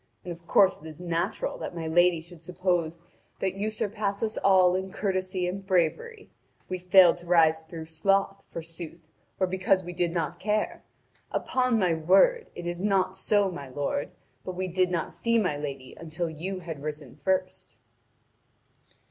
And of course it is natural that my lady should suppose that you surpass us all in courtesy and bravery. We failed to rise through sloth, forsooth, or because we did not care! Upon my word, it is not so, my lord; but we did not see my lady until you had risen first."